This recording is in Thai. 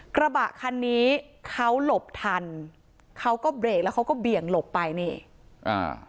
กระบะคันนี้เขาหลบทันเขาก็เบรกแล้วเขาก็เบี่ยงหลบไปนี่อ่า